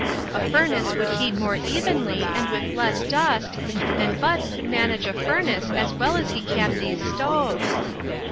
A furnace would heat more evenly, and with less dust, and Bud could manage a furnace as well as he can these stoves.